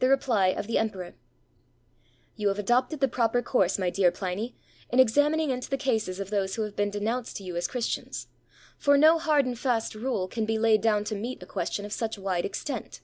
THE REPLY OF THE EMPEROR You have adopted the proper course, my dear Pliny, in examining into the cases of those who have been denounced to you as Christians, for no hard and fast rule can be laid down to meet a question of such wide extent.